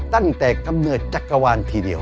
ตั้งแต่กำเนิดจักรวาลทีเดียว